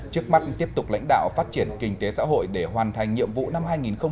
trước mắt tiếp tục lãnh đạo phát triển kinh tế xã hội để hoàn thành nhiệm vụ năm hai nghìn hai mươi